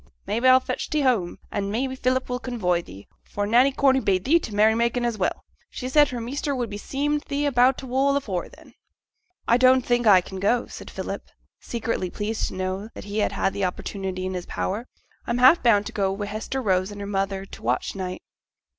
Maybe, a'll fetch thee home, an' maybe Philip will convoy thee, for Nanny Corney bade thee to t' merry making, as well. She said her measter would be seem' thee about t' wool afore then.' 'I don't think as I can go,' said Philip, secretly pleased to know that he had the opportunity in his power; 'I'm half bound to go Wi' Hester Rose and her mother to t' watch night.'